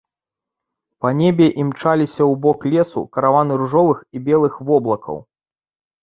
Па небе імчаліся ў бок лесу караваны ружовых і белых воблакаў.